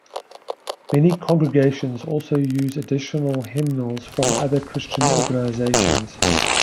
Many congregations also use additional hymnals from other Christian organizations.